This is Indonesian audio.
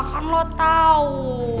kan lo tau